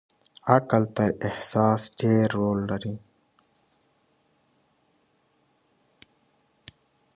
عقل تر احساس ډېر رول لري.